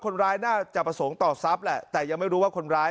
คนร้ายน่าจะประสงค์ต่อทรัพย์แหละแต่ยังไม่รู้ว่าคนร้าย